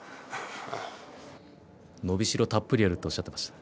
伸びしろがたっぷりあるとおっしゃっていました。